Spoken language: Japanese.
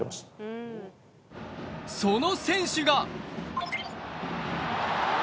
その選手が。